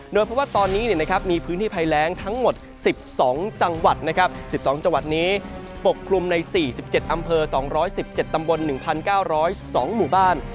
เพราะว่าตอนนี้มีพื้นที่ภัยแรงทั้งหมด๑๒จังหวัด๑๒จังหวัดนี้ปกคลุมใน๔๗อำเภอ๒๑๗ตำบล๑๙๐๒หมู่บ้าน